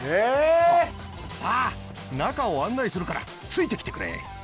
さあ中を案内するからついてきてくれ。